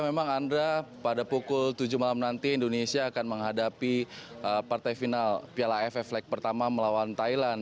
memang andra pada pukul tujuh malam nanti indonesia akan menghadapi partai final piala aff leg pertama melawan thailand